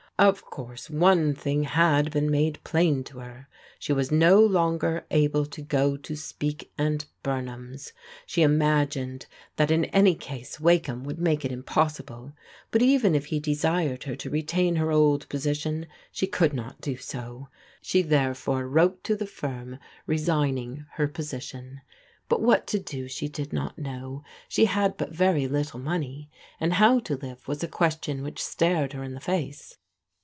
Of course, one thing had been made plain to her : she was no longer able to go to Speke and Bumham's. She imagined that in any case Wakeham would make it im possibie; but even if he desired Viet \.o TeVisxv \\rx Os^ 334 PRODIGAL DAUGHTERS position she could not do so. She therefore wrote to the firm resigning her position. But what to do she did not know. She had but very little money, and how to live was a question which stared her in the face.